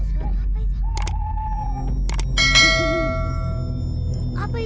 serapu itu apa